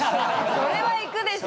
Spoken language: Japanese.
それは行くでしょ。